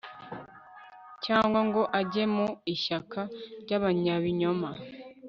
cyangwa ngo ajye mu ishyaka ry'abanyabinyoma